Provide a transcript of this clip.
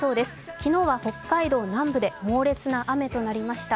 昨日は北海道南部で猛烈な雨となりました。